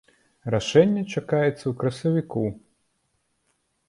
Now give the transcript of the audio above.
Рашэнне чакаецца ў красавіку.